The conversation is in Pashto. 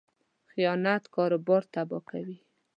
خیانت کاروبار تباه کوي.